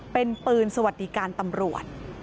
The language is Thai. เป็นปืนสวัสดิการตำรวจ